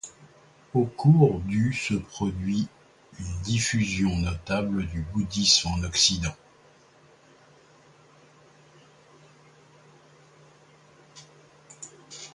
Au cours du se produit une diffusion notable du bouddhisme en Occident.